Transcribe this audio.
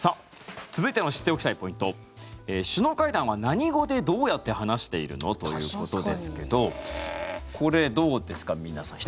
続いての知っておきたいポイント首脳会談は何語でどうやって話しているの？ということですけどこれ、どうですか皆さん。